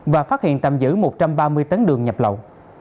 và phát hiện tạm giữ một trăm ba mươi tấn đường nhập lậu